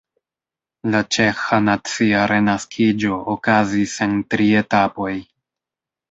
La ĉeĥa nacia renaskiĝo okazis en tri etapoj.